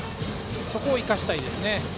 そこを生かしたいですね。